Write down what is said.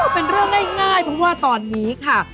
เป็นเรื่องง่ายเพราะว่าตอนนี้ค่ะ